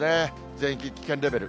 全域、危険レベル。